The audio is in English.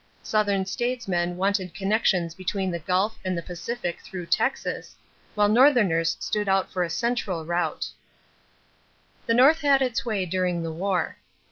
Southern statesmen wanted connections between the Gulf and the Pacific through Texas, while Northerners stood out for a central route. The North had its way during the war.